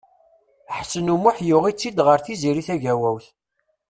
Ḥsen U Muḥ yuɣ-itt-id ɣer Tiziri Tagawawt.